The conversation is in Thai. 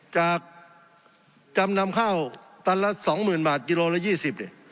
จากจำนำข้าวธุรกรรมตั้งละ๒๐๐๐๐บาทกิโลละ๒๐เนี่ย